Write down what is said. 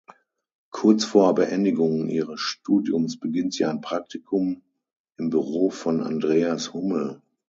Kurz vor Beendigung ihres Studiums beginnt sie ein Praktikum im Büro von Andreas Hummel.